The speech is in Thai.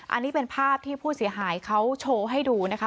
อันนี้เป็นภาพที่ผู้เสียหายเขาโชว์ให้ดูนะคะ